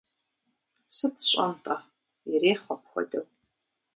Сыт сщӀэн-тӀэ, ирехъу апхуэдэу.